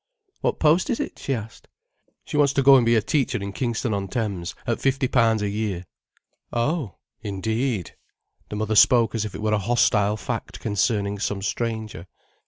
"What post is it?" she asked. "She wants to go and be a teacher in Kingston on Thames, at fifty pounds a year." "Oh, indeed." The mother spoke as if it were a hostile fact concerning some stranger.